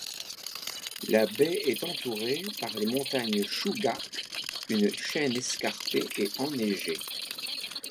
La baie est entourée par les montagnes Chugach, une chaîne escarpée et enneigée.